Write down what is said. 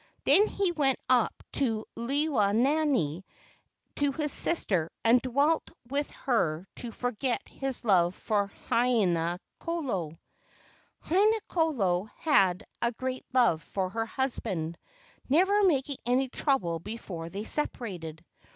Then he went up to Lewa lani to his sister and dwelt with her to forget his love for Haina kolo. Haina kolo had a great love for her husband, never making any trouble before they separated.